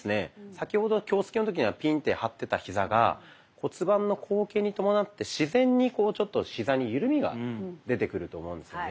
先ほどは気をつけの時にはピンって張ってたヒザが骨盤の後傾に伴って自然にちょっとヒザに緩みが出てくると思うんですよね。